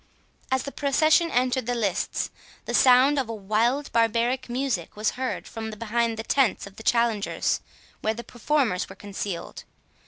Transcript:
As the procession entered the lists, the sound of a wild Barbaric music was heard from behind the tents of the challengers, where the performers were concealed.